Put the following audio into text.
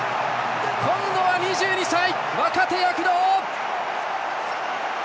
今度は２２歳、若手躍動！